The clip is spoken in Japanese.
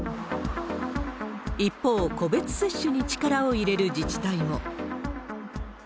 一方、個別接種に力を入れる自治体も。